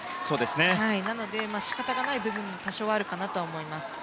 なので、仕方ない部分も多少あるかなと思います。